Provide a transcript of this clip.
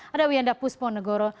ada wiyanda pusponegoro